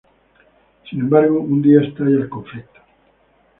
Sin embargo, un día estalla el conflicto.